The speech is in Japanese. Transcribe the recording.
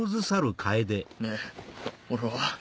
ねぇ俺は。